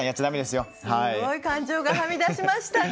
すごい感情がはみ出しましたね。